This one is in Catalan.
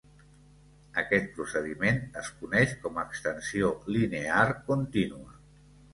Aquest procediment es coneix com extensió linear contínua.